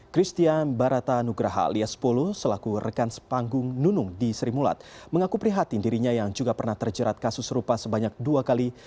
christian barata nugraha alias polo selaku rekan sepanggung nunung di sri mulat mengaku prihatin dirinya yang juga pernah terjerat kasus serupa sebanyak dua kali